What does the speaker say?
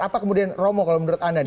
apa kemudian romoh kalau menurut anda